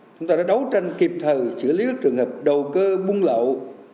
chúng ta đã đấu tranh kịp thời xử lý các trường hợp đầu cơ buôn lậu